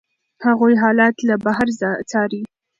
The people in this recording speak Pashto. هغوی حالات له بهر څاري.